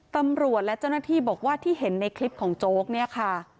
ตำรวจและเจ้าหน้าที่บอกว่าที่เห็นในคลิปของโจ๊กเนี่ยค่ะ